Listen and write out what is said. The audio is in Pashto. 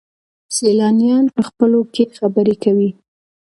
سیلانیان په خپلو کې خبرې کوي.